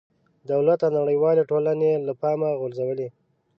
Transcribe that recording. دولت او نړېوالې ټولنې له پامه غورځولې.